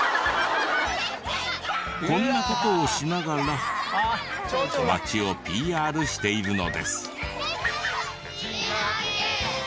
こんな事をしながら町をＰＲしているのです。